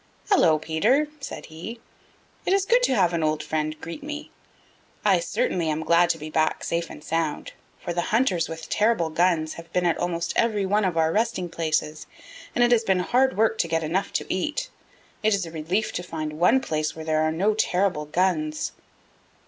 "Hello, Peter," said he. "It is good to have an old friend greet me. I certainly am glad to be back safe and sound, for the hunters with terrible guns have been at almost every one of our resting places, and it has been hard work to get enough to eat. It is a relief to find one place where there are no terrible guns."